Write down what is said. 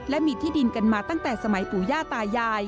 และมีที่ดินกันมาตั้งแต่สมัยปู่ย่าตายาย